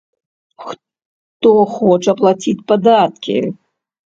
Хто хоча плаціць падаткі?